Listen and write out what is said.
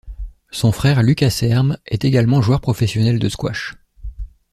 Son frère Lucas Serme est également joueur professionnel de squash.